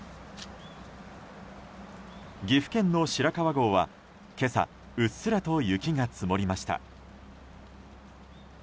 岐阜県の白川郷は今朝うっすらと雪が積もりました。